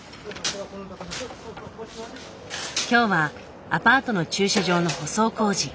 今日はアパートの駐車場の舗装工事。